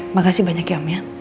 makasih banyak ya om ya